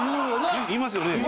言いますよねぇ。